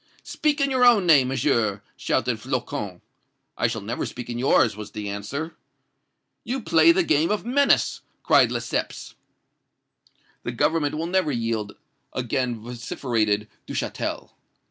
"'Speak in your own name, Monsieur!' shouted Flocon. "'I shall never speak in yours!' was the answer. "'You play the game of menace!' cried Lesseps. "'The Government will never yield!' again vociferated Duchatel.